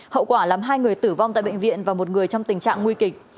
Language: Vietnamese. hậu quả làm hai người tử vong tại bệnh viện và một người trong tình trạng nguy kịch